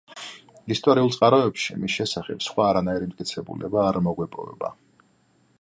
ისტორიულ წყაროებში მის შესახებ სხვა არანაირი მტკიცებულება არ მოგვეპოვება.